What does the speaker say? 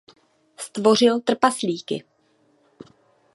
Stvořil trpaslíky.